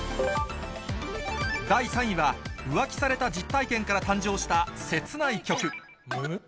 第３位は、浮気された実体験から誕生した切ない曲。